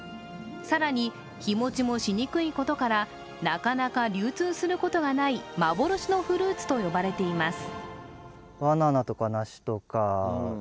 更に、日もちもしにくいことからなかなか流通することがない幻のフルーツと呼ばれています。